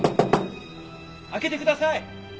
開けてください！